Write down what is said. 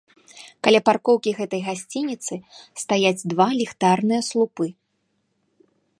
Каля паркоўкі гэтай гасцініцы стаяць два ліхтарныя слупы.